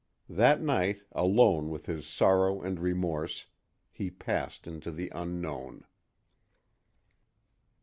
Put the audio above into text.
That night, alone with his sorrow and remorse, he passed into the Unknown.